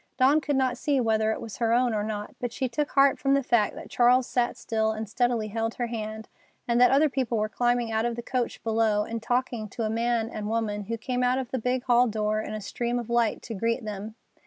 Dawn could not see whether it was her own or not, but she took heart from the fact that Charles sat still and steadily held her hand, and that other people were climbing out of the coach below, and talking to a man and woman who came out of the big hall door in a stream of light to greet them.